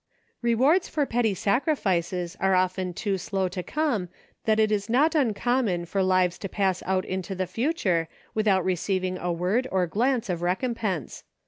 Rewards for petty sacrifices are often so slow to come that it is not uncommon for lives to pass out into the future without receiving a word or glance of recompense.